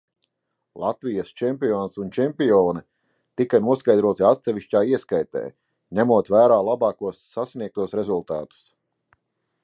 Latvijas čempions un čempione tika noskaidroti atsevišķā ieskaitē, ņemot vērā labākos sasniegtos rezultātus.